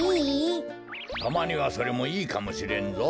たまにはそれもいいかもしれんぞ。